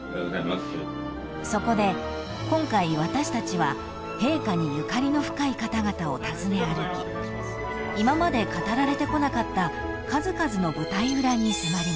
［そこで今回私たちは陛下にゆかりの深い方々を訪ね歩き今まで語られてこなかった数々の舞台裏に迫りました］